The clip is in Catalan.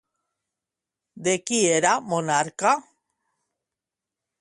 De qui era monarca?